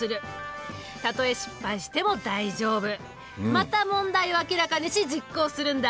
また問題を明らかにし実行するんだ。